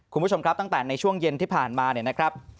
คุณผู้ชมครับตั้งแต่ในช่วงเย็นที่ผ่านมา